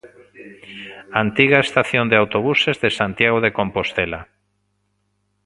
Antiga estación de autobuses de Santiago de Compostela.